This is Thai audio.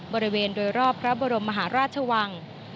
บริเวณโดยรอบพระบรมมหาราชวัง